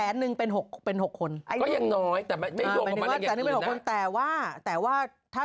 เมริกเอกคือเท่าไร๗๒